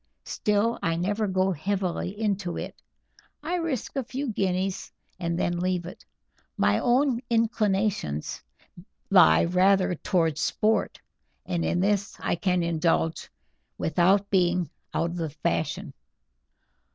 Still, I never go heavily into it. I risk a few guineas and then leave it. My own inclinations lie rather towards sport, and in this I can indulge without being out of the fashion.